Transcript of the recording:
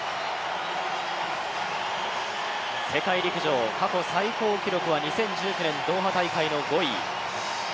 世界陸上、過去最高記録は２０１９年、ドーハ大会の５位。